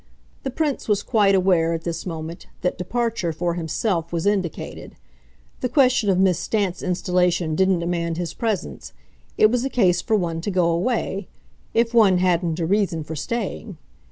The Prince was quite aware, at this moment, that departure, for himself, was indicated; the question of Miss Stant's installation didn't demand his presence; it was a case for one to go away if one hadn't a reason for staying.